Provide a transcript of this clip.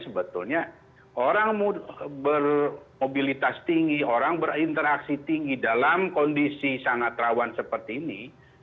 sebetulnya orang bermobilitas tinggi orang berinteraksi tinggi dalam kondisi sangat rawan seperti ini